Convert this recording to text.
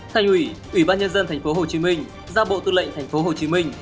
thành ủy ủy ban nhân dân thành phố hồ chí minh giao bộ tư lệnh thành phố hồ chí minh